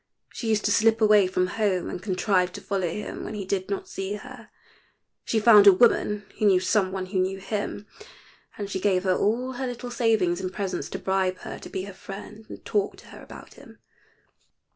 She used to slip away from home and contrive to follow him when he did not see her. She found a woman who knew some one who knew him, and she gave her all her little savings in presents to bribe her to be her friend and talk to her about him.